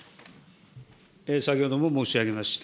先ほども申し上げました。